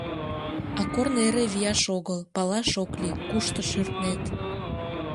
А корно эре вияш огыл, Палаш ок лий, кушто шӱртнет.